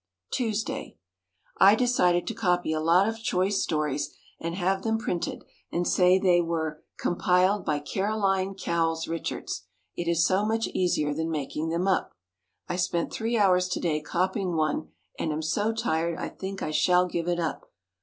Tuesday. I decided to copy a lot of choice stories and have them printed and say they were "compiled by Caroline Cowles Richards," it is so much easier than making them up. I spent three hours to day copying one and am so tired I think I shall give it up.